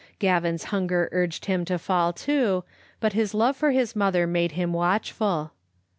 Gavin's hunger urged him to fall to, but his love for his mother made him watchful.